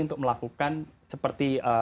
untuk melakukan seperti